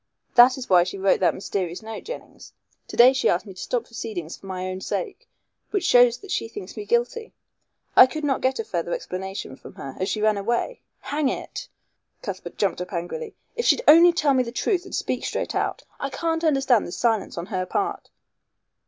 That is why she wrote that mysterious note, Jennings. To day she asked me to stop proceedings for my own sake, which shows that she thinks me guilty. I could not get a further explanation from her, as she ran away. Hang it!" Cuthbert jumped up angrily, "if she'd only tell me the truth and speak straight out. I can't understand this silence on her part."